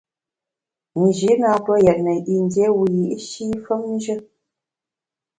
Nji na ntue yètne yin dié wiyi’shi femnjù.